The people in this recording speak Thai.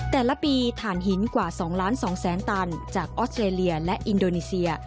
แต่ละปีฐานหินกว่า๒๒๐๐๐ตันจากออสเตรเลียและอินโดนีเซีย